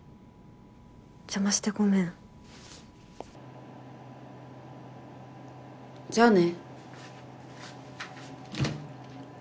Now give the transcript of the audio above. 邪魔してごめんじゃあね・・